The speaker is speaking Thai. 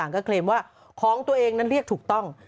ก็เคลมว่าของตัวเองนั้นเรียกถูกต้อง